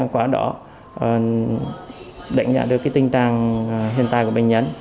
qua đó đánh giá được tình trạng hiện tại của bệnh nhân